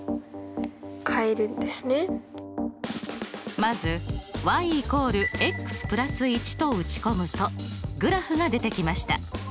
まず＝＋１と打ち込むとグラフが出てきました。